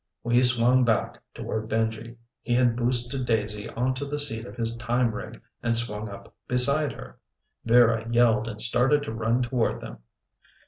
We swung back toward Benji. He had boosted Daisy onto the seat of his time rig and swung up beside her. Vera yelled and started to run toward them.